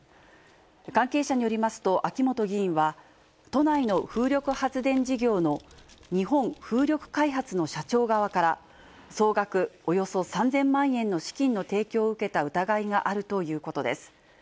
関係者によりますと、秋本議員は、都内の風力発電事業の日本風力開発の社長側から、総額およそ３０００万円の資金の提供を受けた疑いがあるということです。